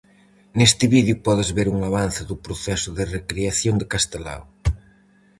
Neste vídeo podes ver un avance do proceso de recreación de Castelao.